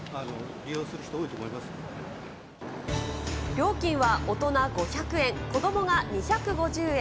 料金は大人５００円、子どもが２５０円。